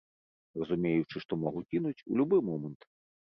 Разумеючы, што магу кінуць у любы момант.